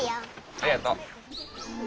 ありがとう。